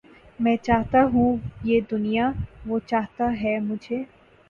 میں چاہتا ہوں یہ دنیا وہ چاہتا ہے مجھے